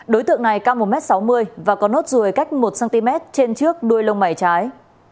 đối tượng này cao một m sáu mươi và có nốt ruồi cách một cm trên trước đuôi lông mảy trái